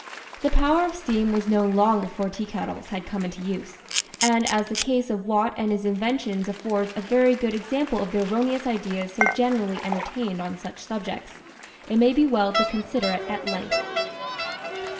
The power of steam was known long before teakettles had come into use; and as the case of Watt and his inven tions affords a very good example of the erroneous ideas so generally entertained on such subjects, it may be well to consider it at length.